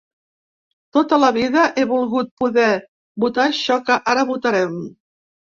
Tota la vida he volgut poder votar això que ara votarem.